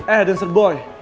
eh dan sergon